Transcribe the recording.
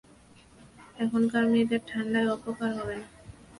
এখনকার মেয়েদের ঠাণ্ডায় অপকার হবে না।